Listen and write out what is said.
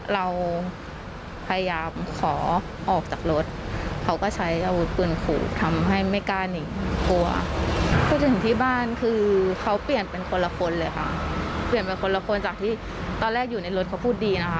เธอบอกว่าโอ้โหโชคดีมากที่วันนั้นไม่ถูกในไอซ์แล้วเธอเคยสัมผัสมาแล้วว่าความโหโชคดีมากที่วันนั้นไม่ถูกในไอซ์แล้วเธอเคยสัมผัสมาแล้วว่าความโหโชคดีมากที่วันนั้นไม่ถูกในไอซ์แล้วเธอเคยสัมผัสมาแล้วว่าความโหโชคดีมากที่วันนั้นไม่ถูกในไอซ์แล้วเธอเคยสัมผัสมาแล้วว่าค